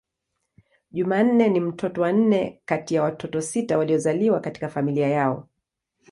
Jumanne ni mtoto wa nne kati ya watoto sita waliozaliwa katika familia yao.